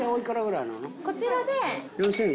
こちらで。